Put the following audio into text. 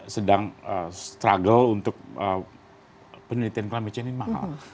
sedang berjuang untuk penelitian perubahan klinik ini mahal